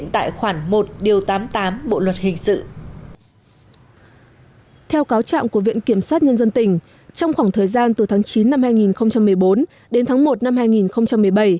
theo cáo trạng của viện kiểm sát nhân dân tỉnh trong khoảng thời gian từ tháng chín năm hai nghìn một mươi bốn đến tháng một năm hai nghìn một mươi bảy